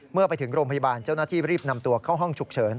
เมื่อไปถึงโรงพยาบาลเจ้าหน้าที่รีบนำตัวเข้าห้องฉุกเฉิน